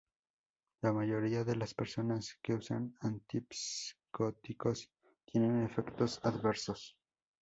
La mayoría de las personas que usan antipsicóticos tienen efectos adversos.